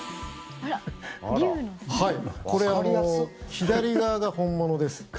左側が本物です。